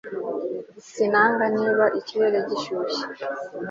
Sinanga niba ikirere gishyushye